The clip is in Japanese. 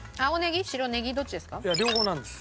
いや両方なんです。